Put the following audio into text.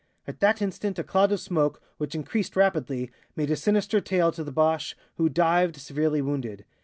At that instant a cloud of smoke, which increased rapidly, made a sinister tail to the Boche, who dived, severely wounded.